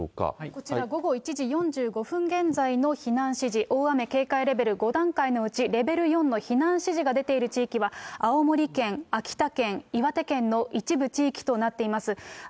こちら午後１時４５分現在の避難指示、大雨警戒レベル５段階のうち、レベル４の避難指示が出ている地域は、青森県、秋田県、岩手県の一部地域となっています。